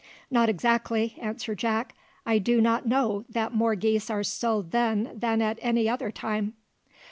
"Not exactly," answered Jack. "I do not know that more geese are sold then than at any other time."